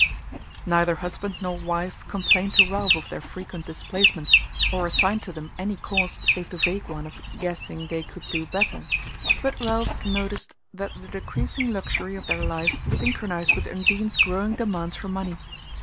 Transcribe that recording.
Neither husband nor wife complained to Ralph of their frequent displacements, or assigned to them any cause save the vague one of "guessing they could do better"; but Ralph noticed that the decreasing luxury of their life synchronized with Undine's growing demands for money.